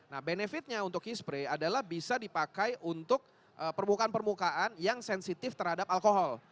nah benefitnya untuk key spray adalah bisa dipakai untuk permukaan permukaan yang sensitif terhadap alkohol